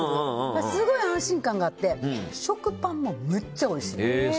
すごい安心感があって食パンもおいしい！